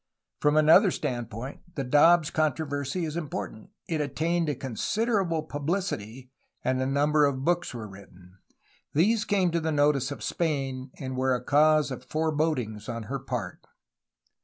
From another standpoint the Dobbs contro versy is important. It attained to a considerable pubUcity, and a number of books were written. These came to the notice of Spain, and were a cause of forebodings on her part.